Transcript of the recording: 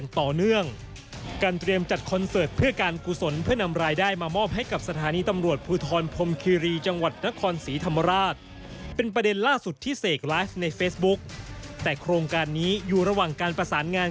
ที่เสกไลฟ์ในเฟซบุ๊กแต่โครงการนี้อยู่ระหว่างการประสานงาน